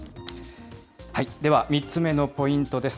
では３つ目のポイントです。